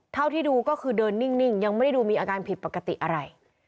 เท่าที่ดูก็คือเดินนิ่งยังไม่ได้ดูมีอาการผิดปกติอะไร